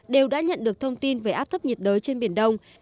đều đã nhận được thông tin về áp thấp nhiệt đới trên biển đông